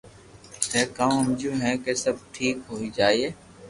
ٿي ڪاوُ ھمجيو ڪي سب ٺيڪ ھوئي جائي